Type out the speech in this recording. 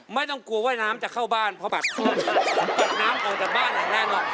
ไม่ต้องกลัวว่าน้ำจะเข้าบ้านเพราะแบบน้ำออกจากบ้านอย่างแน่นอน